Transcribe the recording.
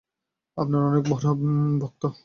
আমি আপনার অনেক বড় ভক্ত।